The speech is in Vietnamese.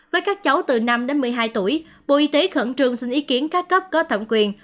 với các cháu từ năm đến một mươi hai tuổi bộ y tế khẩn trương xin ý kiến các cấp có thẩm quyền